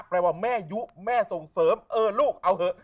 แปลว่าแม่ยุแม่ส่งเสริมเออลูกเอาเหอะ